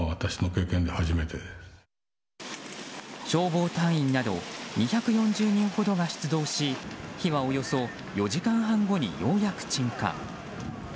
消防隊員など２４０人ほどが出動し火はおよそ４時間半後にようやく鎮火。